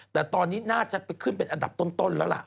แต่ตอนนี้น่าจะไปขึ้นเป็นอันดับต้นแล้วล่ะ